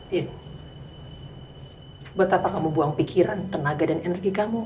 din buat apa kamu buang pikiran tenaga dan energi kamu